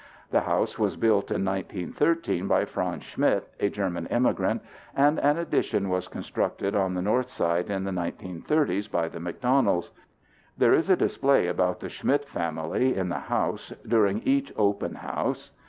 The house was built in 1913 by Franz Schmidt, a German immigrant, and an addition was constructed on the north side in the 1930's by the McDonalds. There is a display about the Schmidt family in the house during each open house.